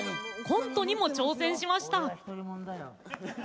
コントにも挑戦しました。